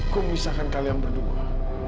gue memisahkan kalian berdua